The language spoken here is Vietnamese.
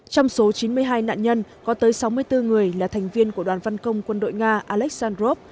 trong số chín mươi hai nạn nhân có tới sáu mươi bốn người là thành viên của đoàn văn công quân đội nga alexandrov